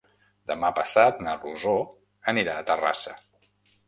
Demà passat na Rosó anirà a Terrassa.